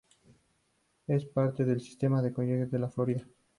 Es parte de el Sistema de colleges de la Florida.